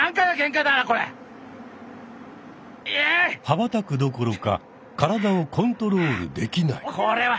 はばたくどころか体をコントロールできない。